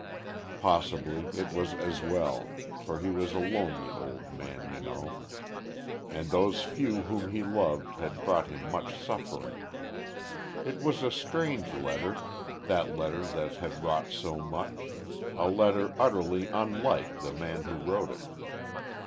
Possibly it was as well; for he was a lonely old man, you know; and those few whom he loved had brought him much suffering. It was a strange letter, that letter that had wrought so much a letter utterly unlike the man who wrote it.